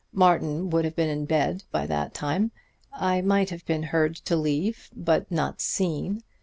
Martin would have been in bed by that time. I might have been heard to leave, but not seen.